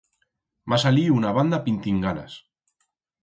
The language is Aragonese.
M'ha saliu una banda pintinganas.